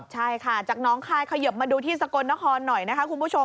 ใช่ค่ะจากน้องคายขยบมาดูที่สกลนครหน่อยนะคะคุณผู้ชม